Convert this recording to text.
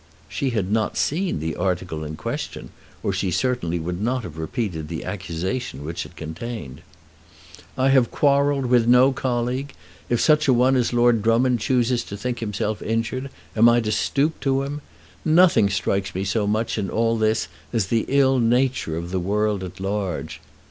She had not seen the article in question or she certainly would not have repeated the accusation which it contained. "I have quarrelled with no colleague. If such a one as Lord Drummond chooses to think himself injured, am I to stoop to him? Nothing strikes me so much in all this as the ill nature of the world at large.